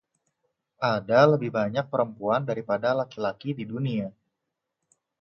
Ada lebih banyak perempuan daripada laki-laki di dunia.